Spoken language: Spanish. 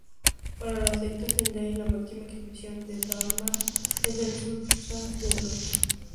Para la secta Tendai, la máxima expresión del Dharma es el Sutra del loto.